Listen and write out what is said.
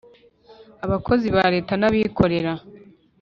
abakozi ba leta, nabikorera